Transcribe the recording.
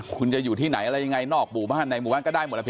คุณจะอยู่ที่ไหนอะไรยังไงนอกปู่บ้านในบุพันธุ์ก็ได้หมดละเพียง